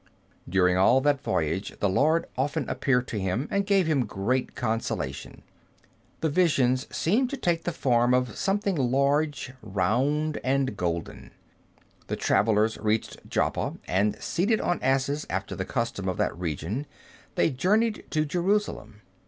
During all that voyage, the Lord often appeared to him, and gave him great consolation. The visions seemed to take the form of something large, round, and golden. The travelers reached Joppa, and seated on asses, after the custom of that region, they journeyed to Jerusalem.